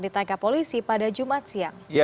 ditangkap polisi pada jumat siang